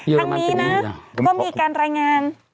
ทั้งนี้นะก็มีการรายงาน